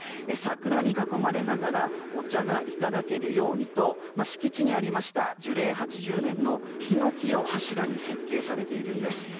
桜に囲まれながらお茶がいただけるようにと敷地にありました、樹齢８０年のヒノキを柱に設計されているんです。